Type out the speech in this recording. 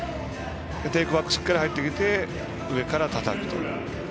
テイクバックしっかり入ってきて上からたたくと。